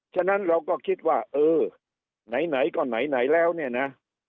ฉะนั้นเราก็คิดว่าเออไหนก็ไหนแล้วเนี่ยนะ